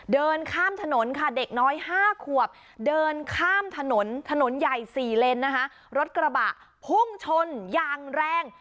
เดินข้ามถนนค่ะเด็กน้อยห้าขวบเดินข้ามถนนถนนใหญ่๔เลนนะคะรถกระบะพุ่งชนอย่างแรง